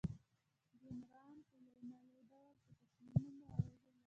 ډونران په یو نه یو ډول په تصامیمو اغیز لرلای شي.